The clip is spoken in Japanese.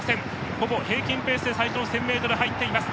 ほぼ平均ペースで最初の１０００ｍ入っています。